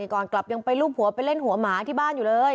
ก่อนกลับยังไปรูปหัวไปเล่นหัวหมาที่บ้านอยู่เลย